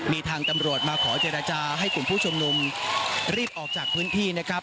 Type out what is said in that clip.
มีทางตำรวจมาขอเจรจาให้กลุ่มผู้ชุมนุมรีบออกจากพื้นที่นะครับ